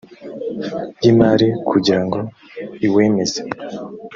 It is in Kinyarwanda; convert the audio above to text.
y imari kugira ngo iwemeze